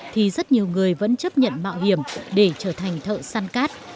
thì rất nhiều người vẫn chấp nhận mạo hiểm để trở thành thợ săn cát